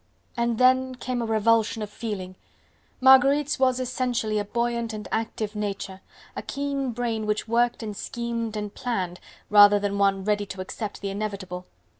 And then came a revulsion of feeling. Marguerite's was essentially a buoyant and active nature, a keen brain which worked and schemed and planned, rather than one ready to accept the inevitable.